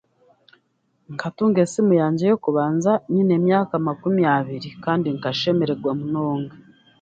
Nkatunga esimu yangye y'okubanza nyine emyaka makumi abiri kandi nkashemererwa munonga